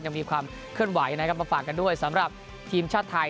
ยังมีความเคลื่อนไหวนะครับมาฝากกันด้วยสำหรับทีมชาติไทย